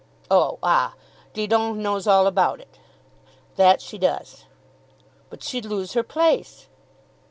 "Oh; ah. Didon knows all about it." "That she does." "But she'd lose her place."